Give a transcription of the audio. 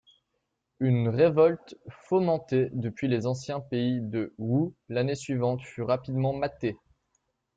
Une révolte fomentée depuis les anciens pays de Wu l'année suivante fut rapidement matée.